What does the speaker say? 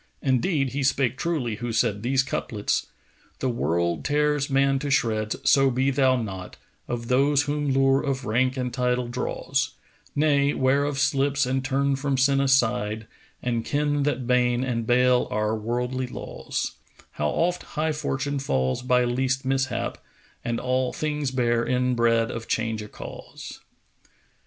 Indeed he spake truly who said these couplets, The world tears man to shreds, so be thou not * Of those whom lure of rank and title draws: Nay; 'ware of slips and turn from sin aside * And ken that bane and bale are worldly laws: How oft high Fortune falls by least mishap * And all things bear inbred of change a cause!'